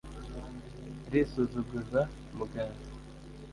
irisuzuguza mugara.